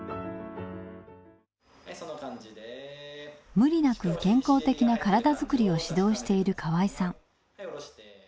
無理なく健康的な体づくりを指導している河合さん。